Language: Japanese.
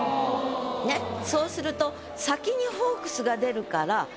ねっそうすると先に「ホークス」が出るから。